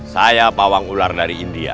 saya pawang ular dari india